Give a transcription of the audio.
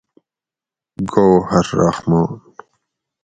گوہر رحمن